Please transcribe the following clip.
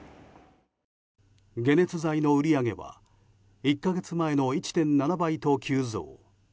解熱剤の売り上げは１か月前の１．７倍と急増。